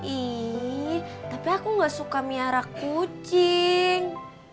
ini tapi aku gak suka miara kucing